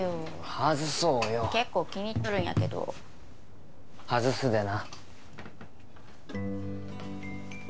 外そうよ結構気に入っとるんやけど外すでな